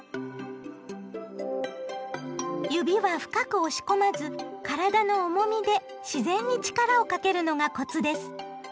指は深く押し込まず体の重みで自然に力をかけるのがコツです。